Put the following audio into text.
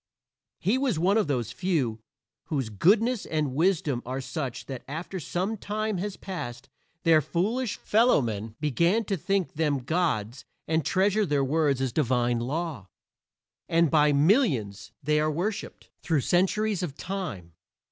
He was one of those few whose goodness and wisdom are such that after some time has passed their foolish fellowmen begin to think them gods and treasure their words as divine law; and by millions they are worshiped through centuries of time.